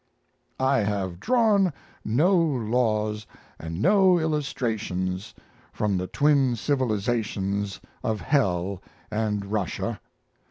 I have drawn no laws and no illustrations from the twin civilizations of hell and Russia.